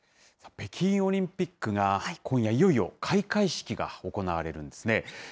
北京オリンピックが今夜、いよいよ開会式が行われるんですね。